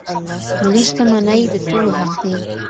ملي شتمنۍ د ټولو حق دی.